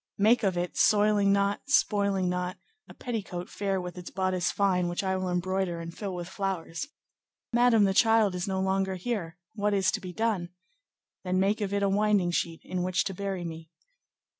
Make of it, soiling not, spoiling not, a petticoat fair with its bodice fine, which I will embroider and fill with flowers.'—'Madame, the child is no longer here; what is to be done?'—'Then make of it a winding sheet in which to bury me.